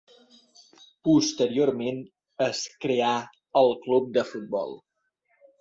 Posteriorment es creà el club de futbol.